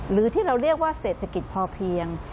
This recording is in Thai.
หรือที่เราเรียกว่าเศรษฐกิจพอเพียง